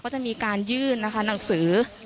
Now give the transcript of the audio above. ก็จะมีการยื่นนะคะหนังสือ